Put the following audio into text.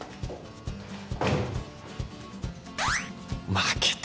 負けた